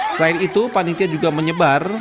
selain itu panitia juga menyebar